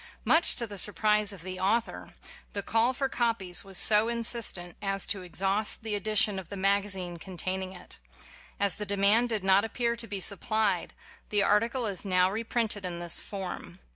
Much to the surprise of the author, the call for copies was so insistent as to exhaust the edition of the magazine contain ing it. As the demand did not appear to be supplied, the article is now re printed in this form.